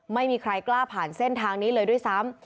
ไม่มีใครกล้าผ่านเส้นทางนี้เลยด้วยซ้ำ